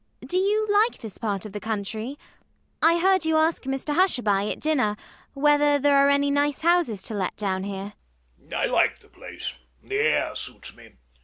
Do you like this part of the country? I heard you ask Mr Hushabye at dinner whether there are any nice houses to let down here. MANGAN. I like the place. The air suits me.